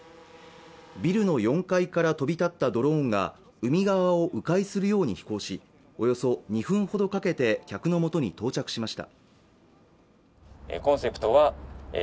ビルの４階から飛び立ったドローンが海側を迂回するように飛行しおよそ２分ほどかけて客のもとに到着しました